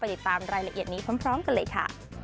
ติดตามรายละเอียดนี้พร้อมกันเลยค่ะ